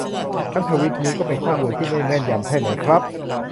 งั้นทวีตนี้ก็เป็นข้อมูลที่ไม่แม่นยำใช่ไหมครับ